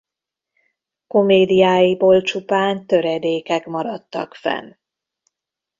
Komédiáiból csupán töredékek maradtak fenn.